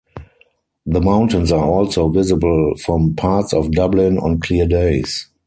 The mountains are also visible from parts of Dublin on clear days.